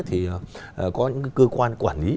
thì có những cơ quan quản lý